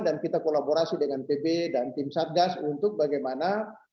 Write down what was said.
dan kita kolaborasi dengan pb dan tim satgas untuk bagaimana